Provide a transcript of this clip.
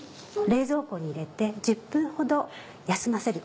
冷蔵庫に入れて１０分ほど休ませる。